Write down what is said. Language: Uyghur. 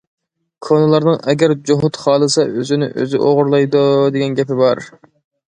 كونىلارنىڭ: ئەگەر جوھۇت خالىسا ئۆزىنى ئۆزى ئوغرىلايدۇ، دېگەن گېپى بار.